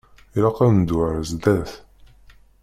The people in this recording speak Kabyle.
Ilaq ad neddu ar zdat.